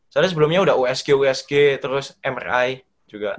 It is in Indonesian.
soalnya sebelumnya udah usg usg terus mri juga